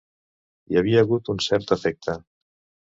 Hi havia hagut un cert afecte.